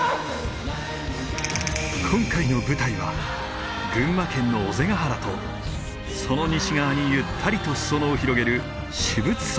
今回の舞台は群馬県の尾瀬ヶ原とその西側にゆったりと裾野を広げる至仏山。